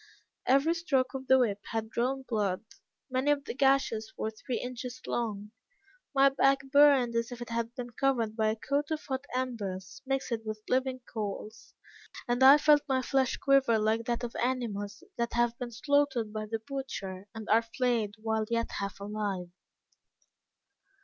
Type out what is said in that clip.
Every stroke of the whip had drawn blood; many of the gashes were three inches long; my back burned as if it had been covered by a coat of hot embers, mixed with living coals; and I felt my flesh quiver like that of animals that have been slaughtered by the butcher and are flayed whilst yet half alive.